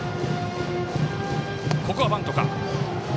ここはバントか。